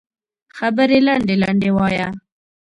خبرې لنډې لنډې وایه